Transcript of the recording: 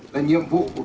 là nhiệm vụ của chúng ta